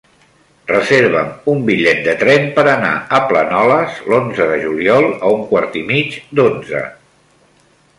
Reserva'm un bitllet de tren per anar a Planoles l'onze de juliol a un quart i mig d'onze.